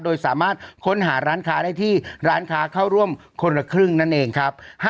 โดยสามารถค้นหาร้านค้าได้ที่ร้านค้าเข้าร่วมคนละครึ่งนั่นเองครับ